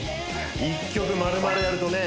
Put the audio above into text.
１曲まるまるやるとね